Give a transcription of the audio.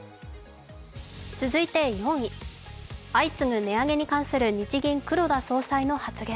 続いて４位、相次ぐ値上げに関する日銀・黒田総裁の発言。